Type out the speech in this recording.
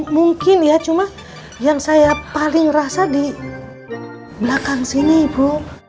mungkin ya cuman yang paling saya rasa di belakang sini ibu